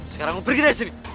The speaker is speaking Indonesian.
sekarang gue pergi dari sini